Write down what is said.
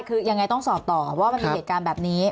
คือยังไงต้องสอบต่อว่ามันมีเหตุการณ์แบบนี้